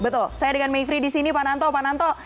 betul saya dengan mayfri di sini pak nanto